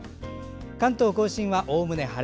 関東・甲信は、おおむね晴れ。